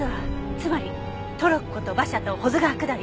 つまりトロッコと馬車と保津川下り。